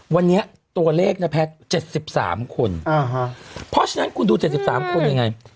วันนี้ตัวเลขนะแพทย์๗๓คนเพราะฉะนั้นคุณดู๗๓คนยังไง